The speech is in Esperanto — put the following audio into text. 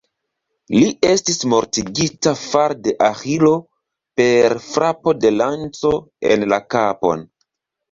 Li estis mortigita far de Aĥilo per frapo de lanco en la kapon.